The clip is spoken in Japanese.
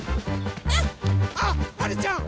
あっはるちゃん！